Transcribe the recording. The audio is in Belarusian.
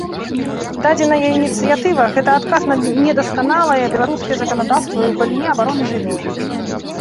Дадзеная ініцыятыва гэта адказ на недасканалае беларускае заканадаўства ў галіне абароны жывёл.